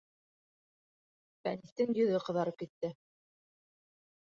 Фәнистең йөҙө ҡыҙарып китте: